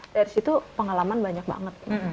dari situ pengalaman banyak banget